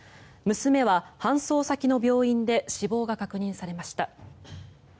娘は搬送先の病院で死亡が確認されました。